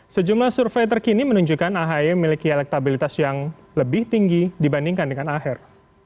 sejumlah survei terkini menunjukkan ahy memiliki elektabilitas yang lebih tinggi dibandingkan dengan aher